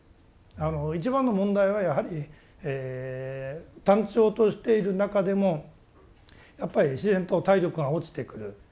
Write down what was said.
一番の問題はやはり単調としている中でもやっぱり自然と体力が落ちてくる。